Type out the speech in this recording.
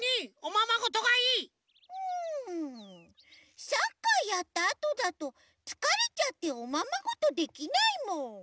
うんサッカーやったあとだとつかれちゃっておままごとできないもん。